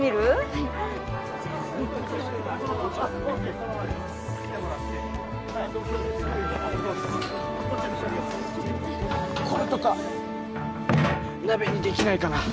はいこれとか鍋にできないかな？